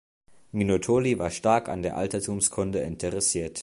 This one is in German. Minutoli war stark an der Altertumskunde interessiert.